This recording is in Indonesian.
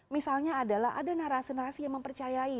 misalnya adalah ada narasi narasi yang mempercayai